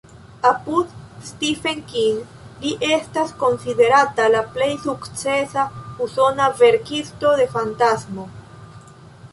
Apud Stephen King li estas konsiderata la plej sukcesa usona verkisto de fantasto.